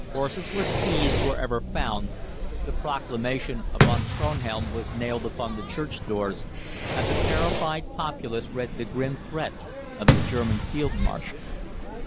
Horses were seized wherever found, the proclamation of Von Kronhelm was nailed upon the church doors, and the terrified populace read the grim threat of the German field marshal.